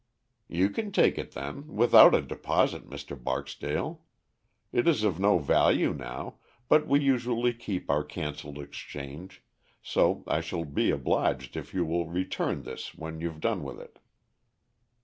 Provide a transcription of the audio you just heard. "You can take it, then, without a deposit, Mr. Barksdale. It is of no value now, but we usually keep our canceled exchange, so I shall be obliged if you will return this when you've done with it."